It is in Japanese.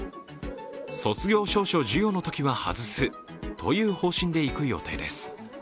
卒業証書授与のときは外すという方針でいく予定です。